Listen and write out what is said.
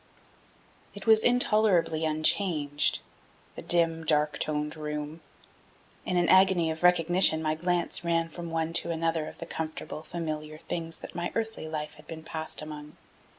It was intolerably unchanged, the dim, dark toned room. In an agony of recognition my glance ran from one to another of the comfortable, familiar things that my earthly life had been passed among.